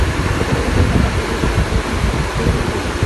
যুদ্ধ করল সেই শয়তানদের বিরুদ্ধে যারা তাঁকে অন্যায়ভাবে ধরে জুলুম করেছিল।